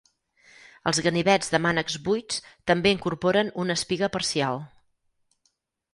Els ganivets de mànecs buits també incorporen una espiga parcial.